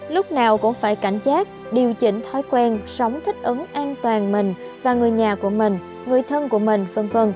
lúc nào cũng phải cảnh giác điều chỉnh thói quen sống thích ứng an toàn mình và người nhà của mình người thân của mình v v